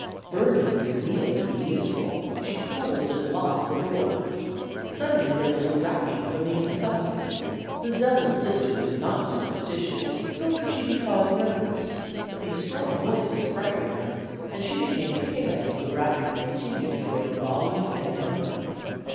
Burning with zeal to be useful she closed and locked the door. Suddenly there was a rapping from the inside. The zealous Sister was not superstitious, nor could she be called nervous, but these strong noises frightened her, and she became pale as the rappings continued to grow in volume and number.